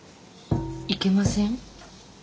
いけません？